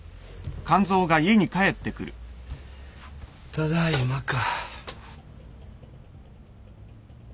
ただいまか。